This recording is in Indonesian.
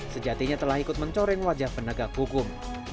setelah ikut mencoreng wajah penegak hukum